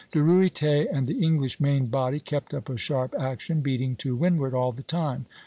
De Ruyter and the English main body kept up a sharp action, beating to windward all the time.